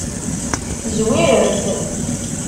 Zwiremt.